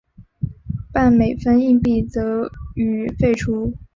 半美分硬币则予废除。